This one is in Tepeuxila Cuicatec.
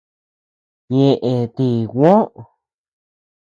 ¿Ñeʼe ti Juó?